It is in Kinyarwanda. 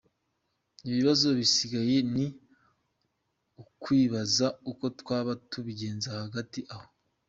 Ikibazo gisigaye ni ukwibaza uko twaba tubigenza hagati aho.”